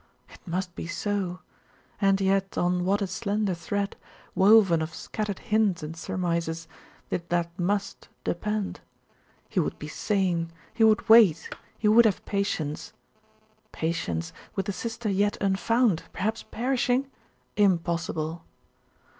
It must be so! and yet on what a slender thread, woven of scattered hints and surmises, did that 'must' depend! He would be sane! he would wait; he would have patience. Patience, with a sister yet unfound, perhaps perishing? Impossible!